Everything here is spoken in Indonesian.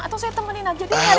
atau saya temenin aja